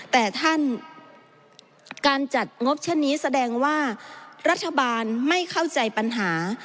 แต่ท่านการจัดงบเช่นนี้แสดงว่ารัฐบาลไม่เข้าใจปัญหา